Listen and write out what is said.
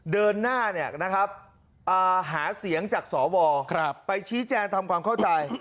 เดินหน้าหาเสียงจากสวไปชี้แจงทำความเข้าใจ